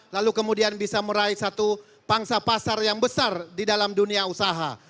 lalu kemudian bisa meraih satu pangsa pasar yang besar di dalam dunia usaha